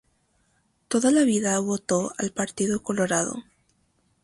Toda la vida votó al Partido Colorado.